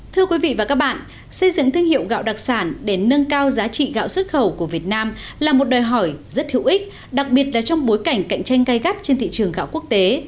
thưa quý vị và các bạn xây dựng thương hiệu gạo đặc sản để nâng cao giá trị gạo xuất khẩu của việt nam là một đòi hỏi rất hữu ích đặc biệt là trong bối cảnh cạnh tranh gây gắt trên thị trường gạo quốc tế